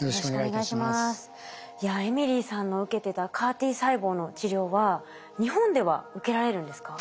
いやエミリーさんの受けてたＣＡＲ−Ｔ細胞の治療は日本では受けられるんですか？